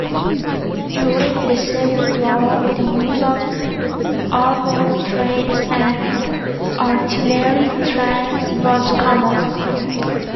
During the civil war, the use of armored trains and artillery trains was common.